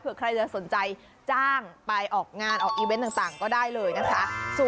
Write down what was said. เพื่อใครจะสนใจจ้างไปออกงานออกอีเวนต์ต่างก็ได้เลยนะคะ